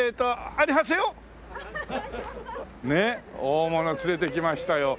大物連れてきましたよ。